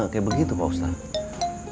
kayak begitu pak ustadz